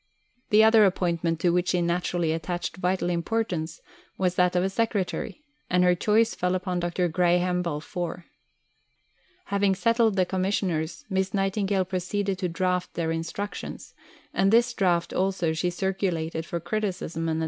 The other appointment to which she naturally attached vital importance was that of a secretary, and her choice fell upon Dr. Graham Balfour. Having settled the Commissioners, Miss Nightingale proceeded to draft their Instructions, and this draft also she circulated for criticism and advice.